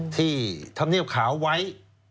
ที่ทำเนียบขาวไวท์